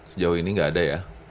sejauh ini nggak ada ya